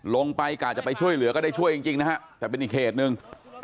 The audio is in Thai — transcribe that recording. ลงไปกะจะไปช่วยเหลือก็ได้ช่วยจริงนะฮะแต่เป็นอีกเขตหนึ่ง